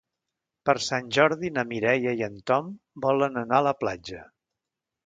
Per Sant Jordi na Mireia i en Tom volen anar a la platja.